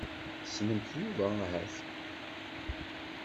Tessnemt Yuba ahat?